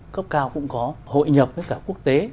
cấp cao cũng có hội nhập với cả quốc tế